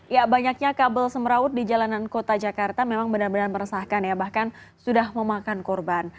ya banyaknya kabel semraut di jalanan kota jakarta memang benar benar meresahkan ya bahkan sudah memakan korban